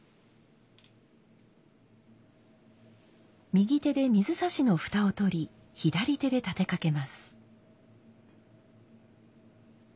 右手で水指の蓋を取り左手で立てかけます。